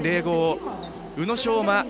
宇野昌磨